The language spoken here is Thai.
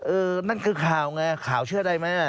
นั่นคือข่าวไงข่าวเชื่อได้ไหม